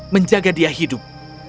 menjaga dia hidup